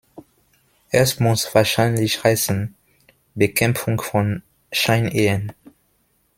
Es muss wahrscheinlich heißen, Bekämpfung von Scheinehen!